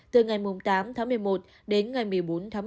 từ ngày tám tháng một mươi một đến ngày một mươi bốn tháng một mươi